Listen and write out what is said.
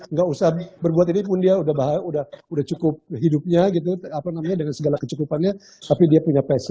nggak usah berbuat ini pun dia sudah cukup hidupnya dengan segala kecukupannya tapi dia punya passion